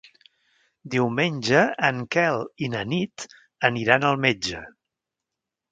Diumenge en Quel i na Nit aniran al metge.